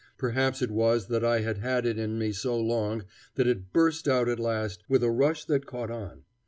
Perhaps it was that I had had it in me so long that it burst out at last with a rush that caught on.